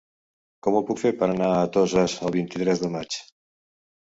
Com ho puc fer per anar a Toses el vint-i-tres de maig?